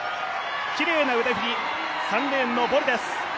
きれいな腕振り３レーンのボルです。